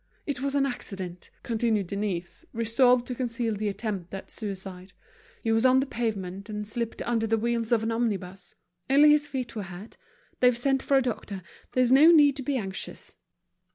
"It was an accident," continued Denise, resolved to conceal the attempt at suicide. "He was on the pavement and slipped under the wheels of an omnibus. Only his feet were hurt. They've sent for a doctor. There's no need to be anxious."